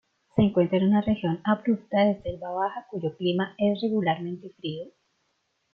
Se encuentra en una región abrupta de selva baja cuyo clima es regularmente frío.